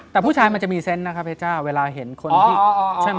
แต่ผู้ชายมันจะมีเส้นค์นะคะเพจ้าเวลาเห็นคนที่